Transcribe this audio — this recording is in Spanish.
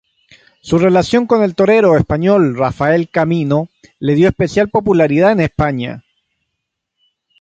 Su relación con el torero español Rafael Camino le dio especial popularidad en España.